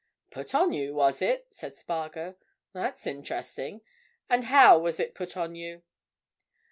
"Put on you, was it?" said Spargo. "That's interesting. And how was it put on you?"